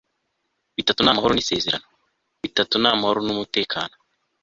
bitatu ni amahoro nisezerano; bitatu ni amahoro n'umutekano